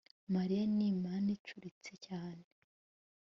mariya ni manicuriste cyane